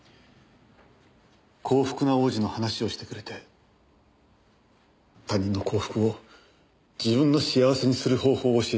『幸福な王子』の話をしてくれて他人の幸福を自分の幸せにする方法を教えてくれた。